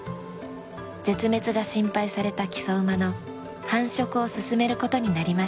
絶滅が心配された木曽馬の繁殖を進める事になりました。